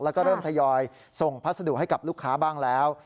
แล้วก็เริ่มทยอยส่งพัสดุให้กับลูกค้าบ้างแล้ว